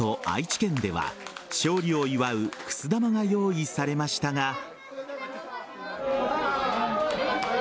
愛知県では勝利を祝うくす玉が用意されましたが。